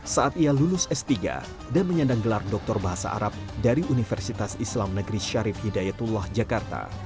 saat ia lulus s tiga dan menyandang gelar doktor bahasa arab dari universitas islam negeri syarif hidayatullah jakarta